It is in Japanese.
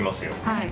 はい。